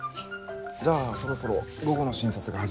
じゃあそろそろ午後の診察が始まるので。